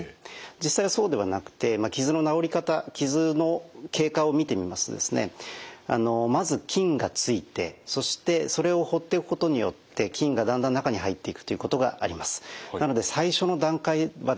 実際はそうではなくて傷の治り方傷の経過を見てみますとまず菌がついてそしてそれを放っておくことによって菌がだんだん中に入っていくということがあります。